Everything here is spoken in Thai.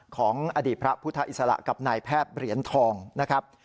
ของอดีตพระพุทธอิสระกับนายแพทย์เหรียญทองนะครับ